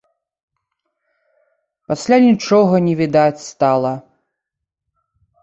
Пасля нічога не відаць стала.